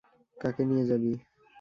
কাকে নিয়ে যাবি।